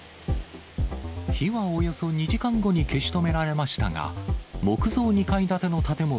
火はおよそ２時間後に消し止められましたが、木造２階建ての建物